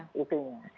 harus ada permintaan